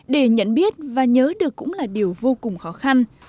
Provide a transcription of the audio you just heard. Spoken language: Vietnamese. để nhận biết và nhớ được cũng là điều vô cùng khó khăn